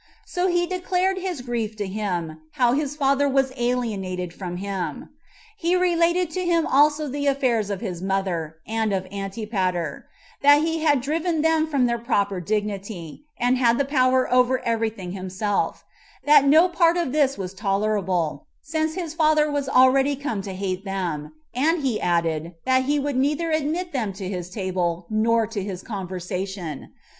So he declared his grief to him, how his father was alienated from him. He related to him also the affairs of his mother, and of Antipater; that he had driven them from their proper dignity, and had the power over every thing himself; that no part of this was tolerable, since his father was already come to hate them; and he added, that he would neither admit them to his table, nor to his conversation.